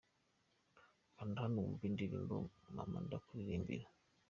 Kanda hano wumve indirimbo mama Ndakuririmbira.